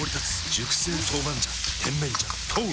熟成豆板醤甜麺醤豆！